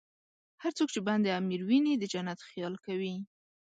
هر څوک چې بند امیر ویني، د جنت خیال کوي.